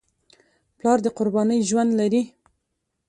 پلار د قربانۍ ژوند لري.